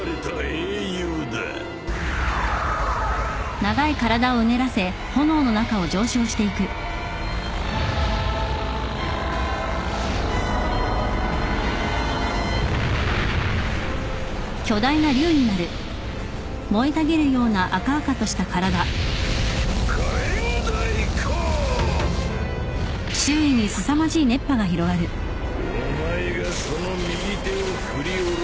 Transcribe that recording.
お前がその右手を振り下ろすことはない！